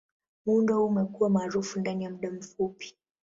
Muundo huu umekuwa maarufu ndani ya muda mfupi.